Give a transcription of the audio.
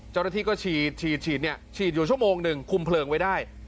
เจ้าหน้าที่ก็ฉีดฉีดอยู่ชั่วโมงหนึ่งคุมเพลิงไว้ได้